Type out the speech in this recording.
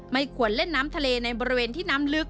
ไม่ควรเล่นน้ำทะเลในบริเวณที่น้ำลึก